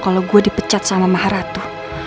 kalau gue dipecat sama maharato